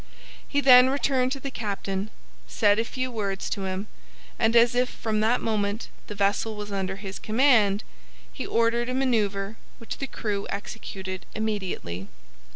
He then returned to the captain, said a few words to him, and as if from that moment the vessel was under his command, he ordered a maneuver which the crew executed immediately.